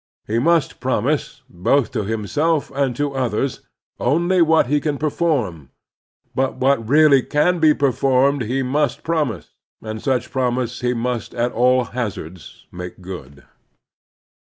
He must promise, both to himself and to others, only what he can perform ; but what really can be performed Promise and Performance 145 he must promise, and such promise he must at all hazards make good.